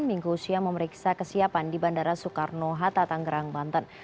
minggu siang memeriksa kesiapan di bandara soekarno hatta tanggerang banten